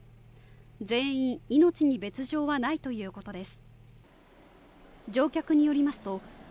全員命に別条はないということです